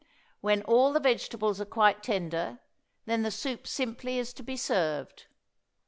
When all the vegetables are quite tender then the soup simply is to be served.